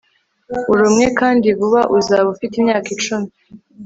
uri umwe kandi vuba uzaba ufite imyaka icumi